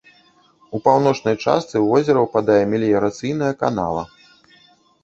У паўночнай частцы ў возера ўпадае меліярацыйная канава.